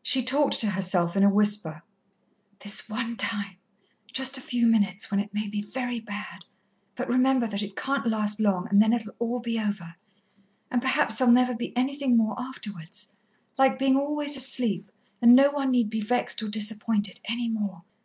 She talked to herself in a whisper: "This one time just a few minutes when it may be very bad but remember that it can't last long, and then it'll all be over. And perhaps there'll never be anything more afterwards like being always asleep, and no one need be vexed or disappointed any more.